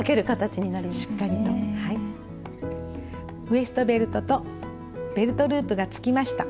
ウエストベルトとベルトループがつきました。